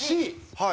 はい。